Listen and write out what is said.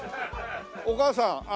お母さんあ